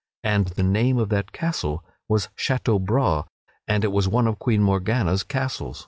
And the name of that castle was Chateaubras and it was one of Queen Morgana's castles.